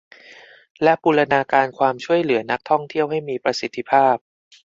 และบูรณาการความช่วยเหลือนักท่องเที่ยวให้มีประสิทธิภาพ